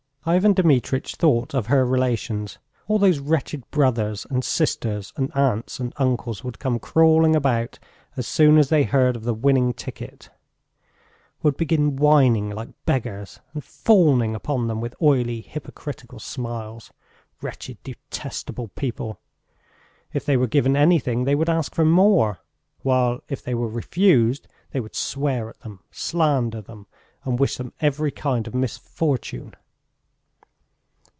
Ivan Dmitritch thought of her relations. All those wretched brothers and sisters and aunts and uncles would come crawling about as soon as they heard of the winning ticket, would begin whining like beggars, and fawning upon them with oily, hypocritical smiles. Wretched, detestable people! If they were given anything, they would ask for more; while if they were refused, they would swear at them, slander them, and wish them every kind of misfortune.